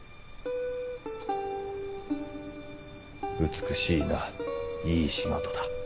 美しいないい仕事だ。